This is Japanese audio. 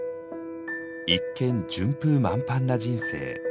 一見順風満帆な人生。